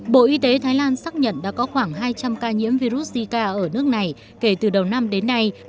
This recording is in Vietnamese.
bộ y tế thái lan xác nhận đã có khoảng hai trăm linh ca nhiễm virus zika ở nước này kể từ đầu năm đến nay